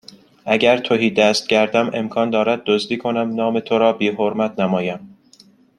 اگر تهیدست گردم امکان دارد دزدی کنم نام تو را بیحرمت نمایم